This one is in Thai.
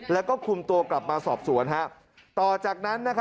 แล้วก็คุมตัวกลับมาสอบสวนต่อจากนั้น